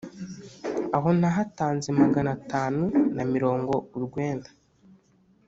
Aho nahatanze magana atanu na mirongo urwenda